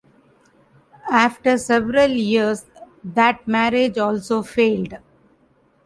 After several years that marriage also failed.